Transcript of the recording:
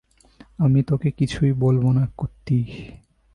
আমি তোকে কিছুই বলবো না, কুত্তি।